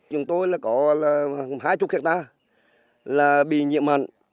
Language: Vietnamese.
chúng tôi là có hai mươi hectare là bị nhiễm mặn